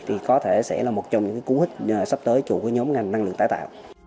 thì có thể sẽ là một trong những cú hích sắp tới của nhóm ngành năng lượng tái tạo